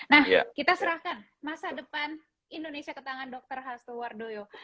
nah kita serahkan masa depan indonesia ke tangan dr hasto wardoyo